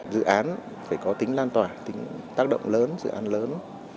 dự án phải có tính lan tỏa tính tác động lớn dự án lớn